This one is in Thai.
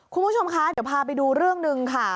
คุณผู้ชมคะเดี๋ยวพาไปดูเรื่องหนึ่งค่ะ